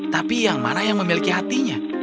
tapi yang mana yang memiliki hatinya